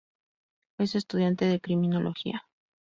Es estudiante de Criminología.